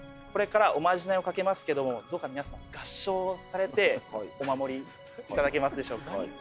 これからおまじないをかけますけどもどうか皆様合掌をされてお守りいただけますでしょうか？